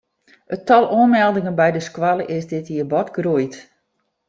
It tal oanmeldingen by de skoalle is dit jier bot groeid.